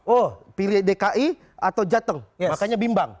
oh pilih dki atau jateng makanya bimbang